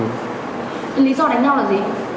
lý do đánh nhau là gì